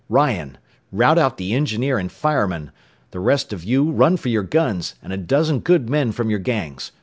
"Ryan, rout out the engineer and firemen! The rest of you run for your guns, and a dozen good men from your gangs!